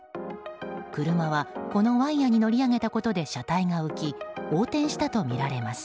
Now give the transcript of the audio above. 車はこのワイヤに乗り上げたことで車体が浮き横転したとみられます。